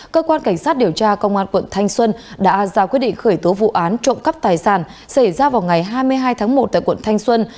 cơ quan cảnh sát điều tra công an quận thanh xuân đã ra quyết định khởi tố vụ án trộm cắp tài sản xảy ra vào ngày hai mươi hai tháng một tại quận thanh xuân